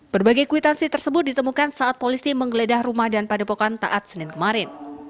berbagai kwitansi tersebut ditemukan saat polisi menggeledah rumah dan padepokan taat senin kemarin